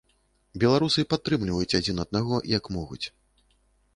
Беларусы падтрымліваюць адзін аднаго, як могуць.